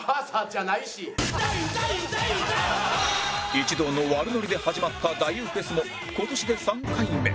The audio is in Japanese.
一同の悪ノリで始まった太夫フェスも今年で３回目